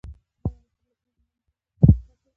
د علامه رشاد لیکنی هنر مهم دی ځکه چې تلپاتې دی.